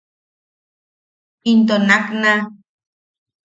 Into nakna.